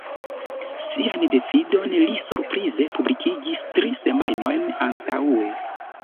Sian decidon li surprize publikigis tri semajnojn antaŭe.